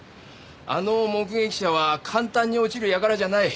あの目撃者は簡単に落ちる輩じゃない。